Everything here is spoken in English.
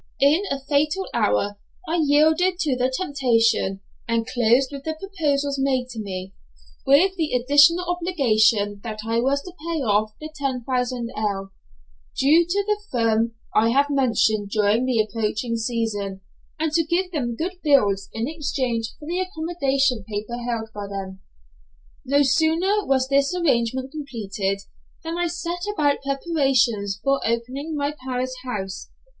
In a fatal hour I yielded to the temptation and closed with the proposals made to me, with the additional obligation that I was to pay off the 10,000_l._ due to the firm I have mentioned during the approaching season, and to give them good bills in exchange for the accommodation paper held by them. No sooner was this arrangement completed than I set about preparations for opening my Paris house.